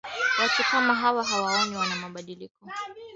watu kama hawaoni kama wana wana mabadiliko